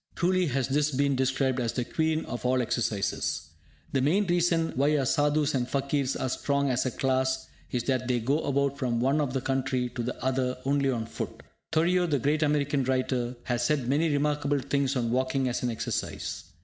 Truly has this been described as the Queen of all exercises. The main reason why our Sadhus and Fakirs are strong as a class is that they go about from one end of the country to the other only on foot. Thoreau, the great American writer, has said many remarkable things on walking as an exercise.